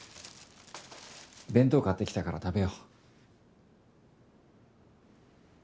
弁当買ってきたから食べよう。